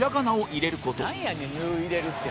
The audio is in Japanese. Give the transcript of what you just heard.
「なんやねん“ぬ”入れるって」